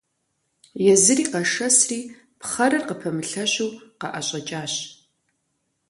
Езыри къэшэсри пхъэрыр къыпэмылъэщу къаӏэщӏэкӏащ.